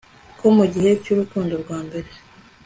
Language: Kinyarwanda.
Ko mugihe cyurukundo rwambere